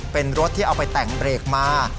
เป็นรถที่เอาไปแต่งเบรกมา